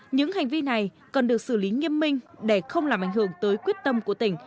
những hành vi này cần được xử lý nghiêm minh để không làm ảnh hưởng tới quyết tâm của tỉnh